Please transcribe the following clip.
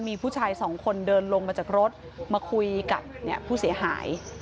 มีผู้ชายสองคนเดินลงมาจากรถมาคุยกับผู้เสียหาย